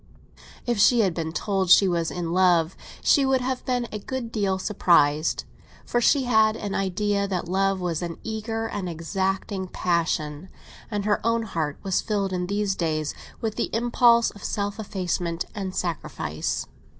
If she had been told she was in love, she would have been a good deal surprised; for she had an idea that love was an eager and exacting passion, and her own heart was filled in these days with the impulse of self effacement and sacrifice.